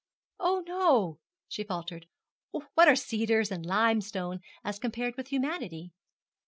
'Oh, no,' she faltered; 'what are cedars and limestone as compared with humanity?'